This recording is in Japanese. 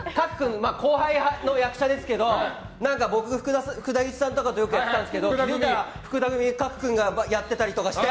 後輩の役者ですけど僕、福田雄一さんとかよくやってたんですけど福田組を賀来君がやっていたりして。